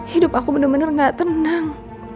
hidup aku bener bener gak tenang